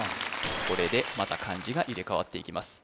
これでまた漢字が入れ替わっていきます